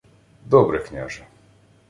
— Добре, княже.